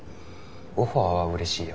オファーはうれしいよ。